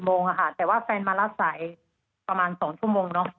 โมงค่ะแต่ว่าแฟนมารับสายประมาณ๒ชั่วโมงเนอะ